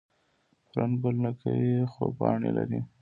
فرن ګل نه کوي خو پاڼې لري